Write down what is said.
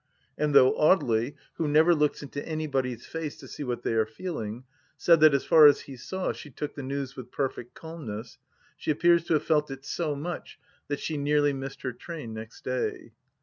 And though Audely, who never looks into anybody's face to see what they are feeling, said, that as far as he saw, she took the news with perfect calmness, she appears to have felt it so much that she nearly missed her train next day.